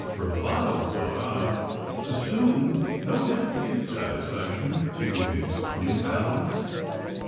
"Bravado," thought I, "assumed, no doubt, to give satisfaction to his new allies?"